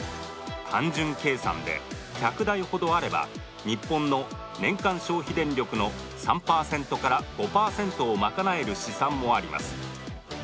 単純計算で１００台ほどあれば日本の年間消費電力の３％から５％を賄える試算もあります